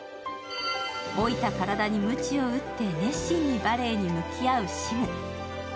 老いた体にムチを打って熱心にバレエに向き合うシム。